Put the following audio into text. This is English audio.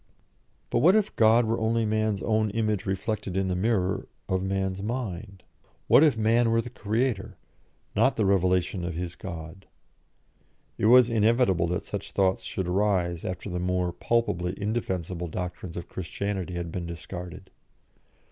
But what if God were only man's own image reflected in the mirror of man's mind? What if man were the creator, not the revelation of his God? It was inevitable that such thoughts should arise after the more palpably indefensible doctrines of Christianity had been discarded.